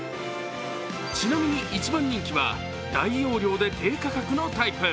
ちなみに、一番人気は大容量で低価格のタイプ。